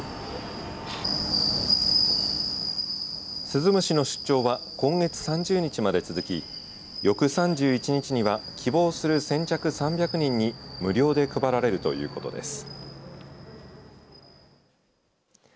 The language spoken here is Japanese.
スズムシの出張は今月３０日まで続き翌３１日には希望する先着３００人に無料で配られるということです。